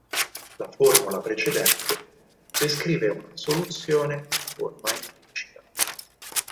La formula precedente descrive una soluzione in forma implicita.